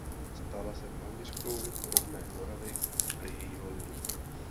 Stala se malířkou rodné Oravy a jejího lidu.